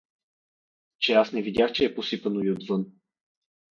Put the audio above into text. Че аз не видях, че е посипано и отвън.